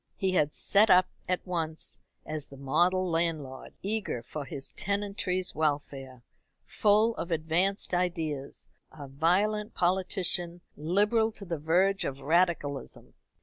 He had set up at once as the model landlord, eager for his tenantry's welfare, full of advanced ideas, a violent politician, liberal to the verge of radicalism.